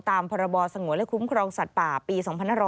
ตามพรบสงวนและคุ้มครองสัตว์ป่าปี๒๕๖๐